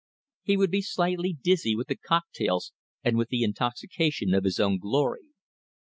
He would be slightly dizzy with the cocktails and with the intoxication of his own glory.